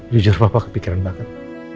jujur papa kepikiran banget